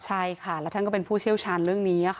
ใช่ค่ะแล้วท่านก็เป็นผู้เชี่ยวชาญเรื่องนี้ค่ะ